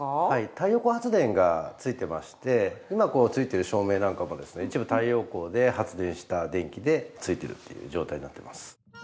太陽光発電がついてまして今ついている照明なんかもですね一部太陽光で発電した電気でついているっていう状態になっています。